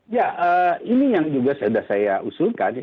ya ini yang juga sudah saya usulkan